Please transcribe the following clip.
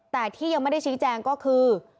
แต่ที่ยังไม่ได้ชี้แจงก็คือ